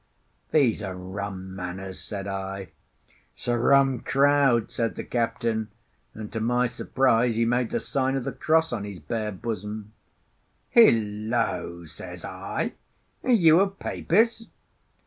"These are rum manners," said I. "'s a rum crowd," said the captain, and, to my surprise, he made the sign of the cross on his bare bosom. "Hillo!" says I, "are you a Papist?"